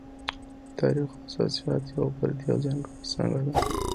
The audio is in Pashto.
تاریخ اساساً یوه فردي او ځانګړې څانګه ده.